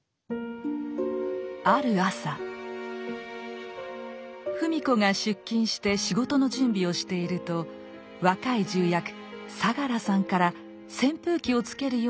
ある朝芙美子が出勤して仕事の準備をしていると若い重役相良さんから扇風機をつけるよう頼まれました。